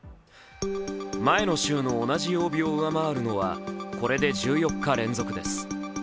前の週の同じ曜日を上回るのはこれで１４日連続です。